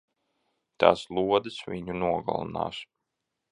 Tās lodes viņu nogalinās!